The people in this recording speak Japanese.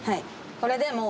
これでもう。